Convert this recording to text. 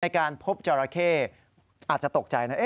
การพบจราเข้อาจจะตกใจนะ